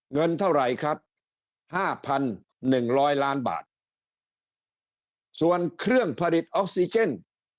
เงินเท่าไหร่ครับห้าพันหนึ่งร้อยล้านบาทส่วนเครื่องผลิตออกซิเจน